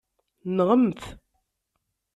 Nɣemt!